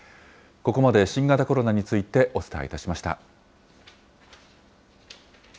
ここまで新型コロナについてお伝えいたしました。